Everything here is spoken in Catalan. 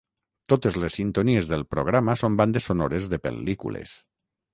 Totes les sintonies del programa són bandes sonores de pel·lícules.